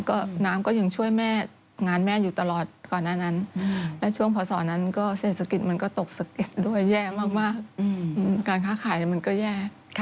ก็น้ำก็ยังช่วยแม่งานแม่อยู่ตลอดก่อนหน้านั้นและช่วงพศนั้นก็เศรษฐกิจมันก็ตกสกิสด้วยแย่มากการค้าขายมันก็แย่